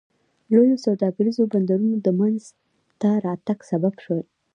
لویو سوداګریزو بندرونو د منځته راتګ سبب شول.